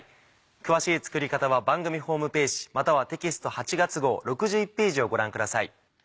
詳しい作り方は番組ホームページまたはテキスト８月号６１ページをご覧ください。